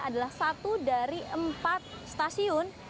adalah satu dari empat stasiun